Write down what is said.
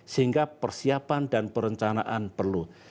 sehingga persiapan dan perencanaan perlu